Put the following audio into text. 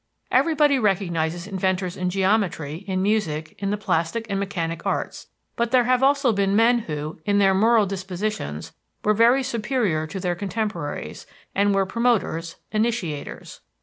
Everybody recognizes inventors in geometry, in music, in the plastic and mechanic arts; but there have also been men who, in their moral dispositions, were very superior to their contemporaries, and were promoters, initiators.